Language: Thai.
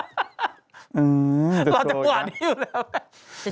เราจะหวานอยู่แล้ว